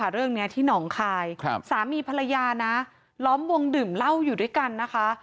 เรื่องนี้ที่หนองคายสามีภรรยานะล้อมวงดื่มเหล้าอยู่ด้วยกันนะคะ